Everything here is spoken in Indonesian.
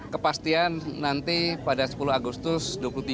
kepastian nanti pada sepuluh agustus dua ribu tiga ratus lima puluh sembilan